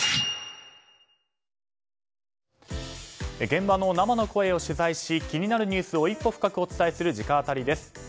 現場の生の声を取材し気になるニュースを一歩深くお伝えする直アタリです。